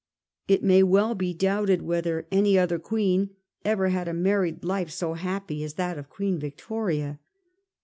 It may well be doubted whether any other queen ever had a married life so happy as that of Queen Victoria.